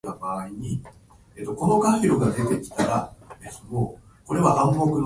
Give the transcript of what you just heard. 足並み揃えていこう